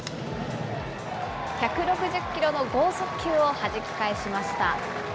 １６０キロの剛速球をはじき返しました。